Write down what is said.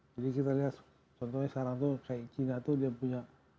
jadi kita lihat contohnya sekarang tuh kayak china tuh dia punya